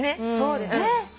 そうですね。